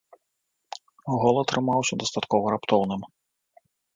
Гол атрымаўся дастаткова раптоўным.